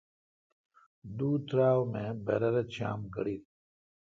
دو ترا ام اے°برر چام گڑیل۔